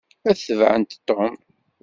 Ad tebεent Tom.